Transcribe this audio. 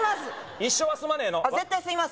一生は住まねえの絶対住みます